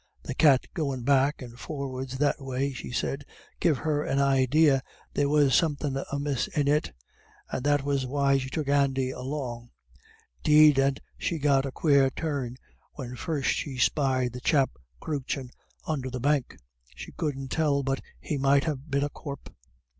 "The cat goin' back and for'ards that way," she said, "gave her an idee there was somethin' amiss in it, and that was why she took Andy along. 'Deed and she got a quare turn when first she spied the chap croochin' under the bank she couldn't tell but he might ha' been a corp."